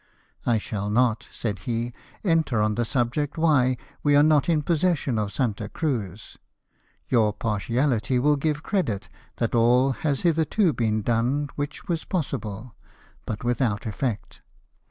" I shall not," said he, " enter on the subject why we are not in possession of Santa Cruz. Your partiality will give credit that all has hitherto been done which was possible, but with out effect.